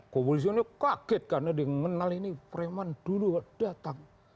kepolisian ini kaget karena dikenal ini preman dulu datang